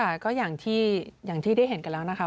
ค่ะก็อย่างที่ได้เห็นกันแล้วนะคะ